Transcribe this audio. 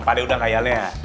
pak d udah ngayalnya